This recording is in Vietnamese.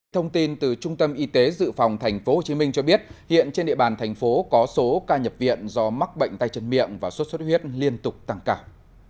thông tin từ trung tâm y tế dự phòng tp hcm cho biết hiện trên địa bàn thành phố có số ca nhập viện do mắc bệnh tay chân miệng và sốt xuất huyết liên tục tăng cao